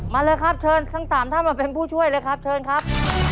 มาเลยครับเชิญทั้ง๓ท่านมาเป็นผู้ช่วยเลยครับเชิญครับ